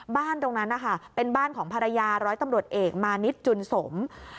บ้านตรงนั้นนะคะเป็นบ้านของภรรยาร้อยตำรวจเอกมานิดจุนสม